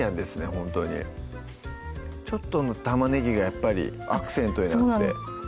ほんとにちょっとの玉ねぎがやっぱりアクセントになってそうなんです